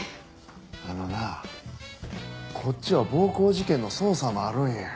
あのなあこっちは暴行事件の捜査もあるんや。